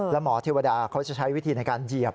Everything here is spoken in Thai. แล้วหมอเทวดาเขาจะใช้วิธีในการเหยียบ